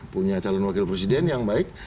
punya calon wakil presiden yang baik